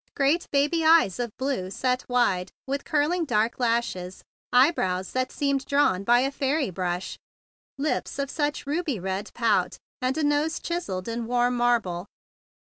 Great baby eyes of blue, set wide, with curling dark lashes, eyebrows that seemed drawn by a fairy brush, lips of such ruby red pout, and nose chisel¬ led in warm marble.